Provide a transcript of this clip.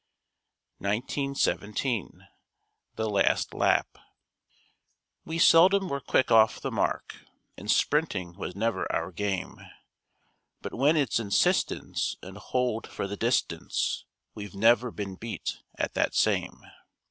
1917 THE LAST LAP We seldom were quick off the mark, And sprinting was never our game; But when it's insistence and hold for the distance, We've never been beat at that same.